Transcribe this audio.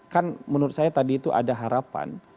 kan menurut saya tadi itu ada harapan